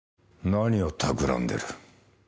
何をたくらんでる？